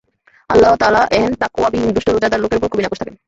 আল্লাহ তাআলা এহেন তাকওয়াবিহীন দুষ্ট রোজাদার লোকের ওপর খুবই নাখোশ থাকেন।